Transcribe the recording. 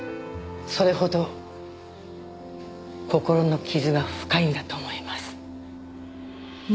それほど心の傷が深いんだと思います。